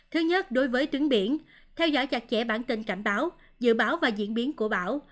thứ nhất đối với tuyến biển theo dõi chặt chẽ bản tin cảnh báo dự báo và diễn biến của bão